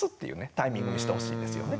タイミングにしてほしいんですよね。